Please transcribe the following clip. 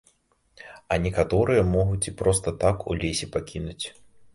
А некаторыя могуць і проста так у лесе пакінуць.